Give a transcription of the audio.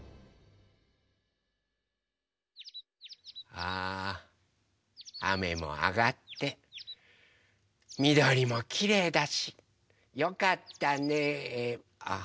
ああめもあがってみどりもきれいだしよかったねえあ。